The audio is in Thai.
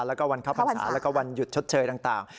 แล้วก็วันข้าวฟันศาสตร์แล้วก็วันหยุดชดเชยต่าง